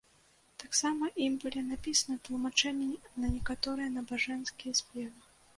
Таксама ім былі напісаны тлумачэнні на некаторыя набажэнскія спевы.